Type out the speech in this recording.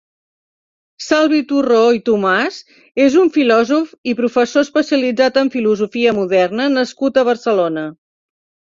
Salvi Turró i Tomàs és un filòsof i professor especialitzat en filosofia moderna nascut a Barcelona.